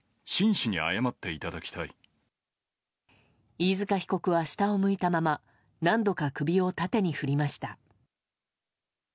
飯塚被告は下を向いたまま何度か首を縦に振りました。